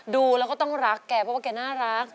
ดูแล้วก็ต้องรักแกเพราะว่าแกน่ารัก